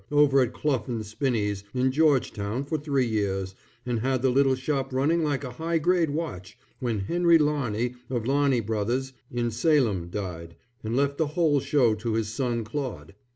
over at Clough & Spinney's in Georgetown for three years, and had the little shop running like a high grade watch, when Henry Larney of Larney Bros. in Salem died and left the whole show to his son Claude.